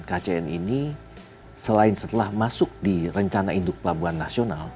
kcn ini selain setelah masuk di rencana induk pelabuhan nasional